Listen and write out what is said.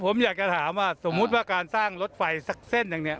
ผมอยากจะถามว่าสมมุติว่าการสร้างรถไฟสักเส้นหนึ่งเนี่ย